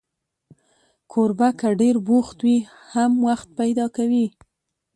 کوربه که ډېر بوخت وي، هم وخت پیدا کوي.